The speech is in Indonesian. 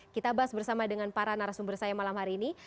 kita bahas bersama dengan para narasumber saya malam hari ini